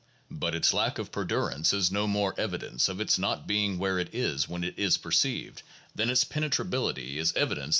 But its lack of perdurance is no more evidence of its not being where it is when it is perceived, than its penetrability is evidence that 1 Lovejoy, op.